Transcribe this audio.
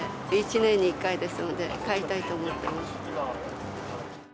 １年に１回ですので、買いたいと思ってます。